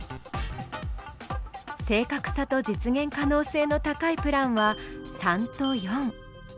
正確さと実現可能性の高いプランは３と４。